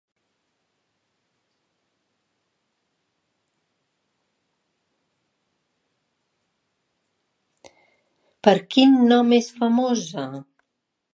Per quin nom és famosa?